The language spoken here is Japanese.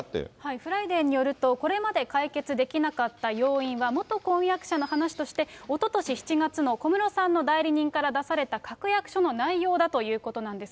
フライデーによると、これまで解決できなかった要因は元婚約者の話として、おととし７月の小室さんの代理人から出された確約書の内容だということなんです。